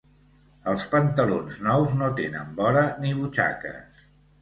Els pantalons nous no tenen vora ni butxaques.